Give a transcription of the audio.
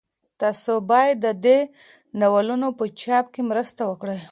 تاسو باید د داسې ناولونو په چاپ کې مرسته وکړئ.